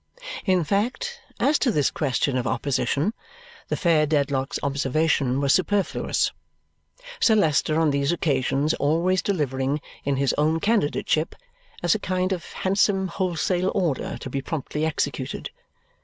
In fact, as to this question of opposition, the fair Dedlock's observation was superfluous, Sir Leicester on these occasions always delivering in his own candidateship, as a kind of handsome wholesale order to be promptly executed.